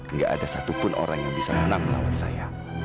tidak ada satupun orang yang bisa menang melawan saya